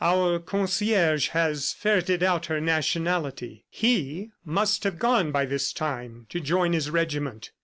"Our concierge has ferreted out her nationality. He must have gone by this time to join his regiment.